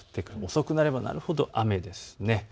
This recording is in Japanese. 遅くなればなるほど雨です。